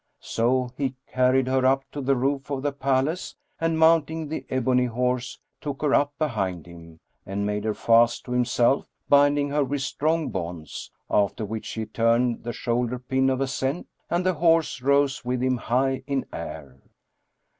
So he carried her up to the roof of the palace and, mounting the ebony horse, took her up behind him and made her fast to himself, binding her with strong bonds; after which he turned the shoulder pin of ascent, and the horse rose with him high in air.